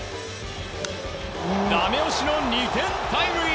ダメ押しの２点タイムリー。